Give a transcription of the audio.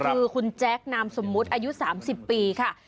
คือคุณแจ๊คนามสมมุติอายุ๓๐ปีค่ะ